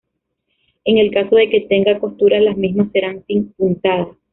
En el caso de que tenga costuras, las mismas serán sin puntadas.